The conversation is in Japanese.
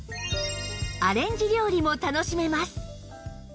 アレンジ料理も楽しめます